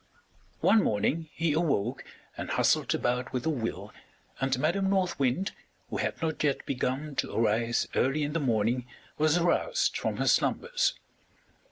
One morning he awoke and hustled about with a will, and Madam North Wind, who had not yet begun to arise early in the morning, was aroused from her slumbers.